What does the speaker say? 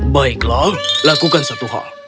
baiklah lakukan satu hal